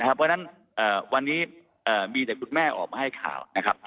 เพราะฉะนั้นวันนี้มีแต่คุณแม่ออกมาให้ข่าวนะครับ